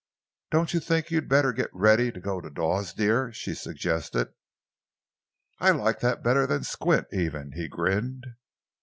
"Don't you think you had better get ready to go to Dawes, dear?" she suggested. "I like that better than 'Squint' even," he grinned.